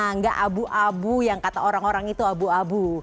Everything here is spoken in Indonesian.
enggak abu abu yang kata orang orang itu abu abu